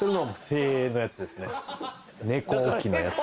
猫置きのやつ。